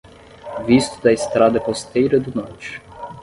Visto da estrada costeira do norte